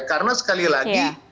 karena sekali lagi